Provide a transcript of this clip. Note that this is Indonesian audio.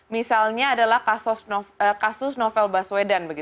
misalnya adalah kasus novel baswedan